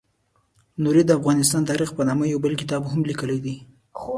نوري د افغانستان تاریخ په نامه یو بل کتاب هم لیکلی دی.